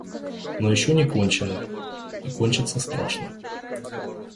Но еще не кончено... и кончится страшно.